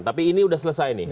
tapi ini sudah selesai nih